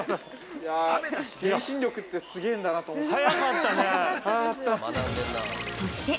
◆遠心力ってすげえんだなと思って。